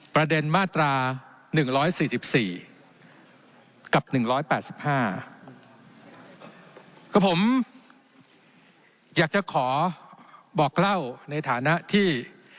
ประเด็นมาตรา๑๔๔กับ๑๘๕คือผมอยากจะขอบอกเล่าในฐานะที่